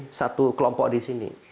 terjadi di satu kelompok di sini